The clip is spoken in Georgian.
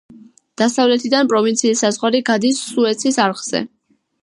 დასავლეთიდან პროვინციის საზღვარი გადის სუეცის არხზე.